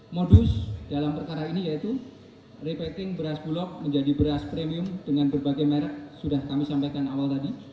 modus dalam perkara ini yaitu repating beras bulog menjadi beras premium dengan berbagai merek sudah kami sampaikan awal tadi